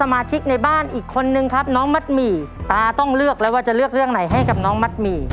สมาชิกในบ้านอีกคนนึงครับน้องมัดหมี่ตาต้องเลือกแล้วว่าจะเลือกเรื่องไหนให้กับน้องมัดหมี่